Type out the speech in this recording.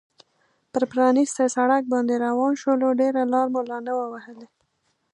پر پرانیستي سړک باندې روان شولو، ډېره لار مو لا نه وه وهلې.